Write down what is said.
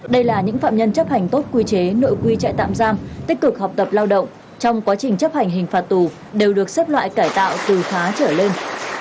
đây là những phạm nhân chấp hành tốt quy chế nội quy trại tạm giam tích cực học tập lao động trong quá trình chấp hành hình phạt tù đều được xếp loại cải tạo từ khá trở lên